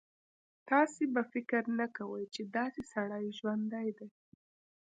تاسو به فکر نه کوئ چې داسې سړی ژوندی دی.